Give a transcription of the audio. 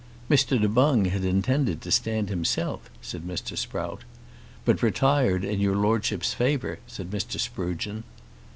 "Mr. Du Boung had intended to stand himself," said Mr. Sprout. "But retired in your Lordship's favour," said Mr. Sprugeon.